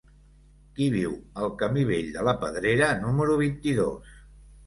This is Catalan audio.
Qui viu al camí Vell de la Pedrera número vint-i-dos?